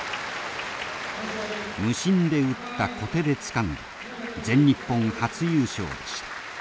無心で打った小手でつかんだ全日本初優勝でした。